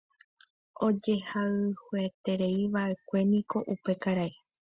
Ojehayhuetereívaʼekueniko upe karai.